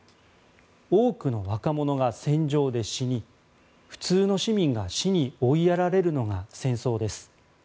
多くの若者が戦場で死に普通の市民が死に追いやられるのが戦争です。